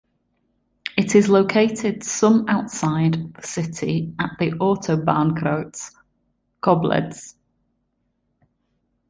It is located some outside the city at the Autobahnkreuz Koblenz.